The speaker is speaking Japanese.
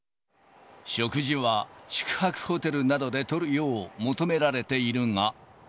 食事は宿泊ホテルなどでとるよう求められているが。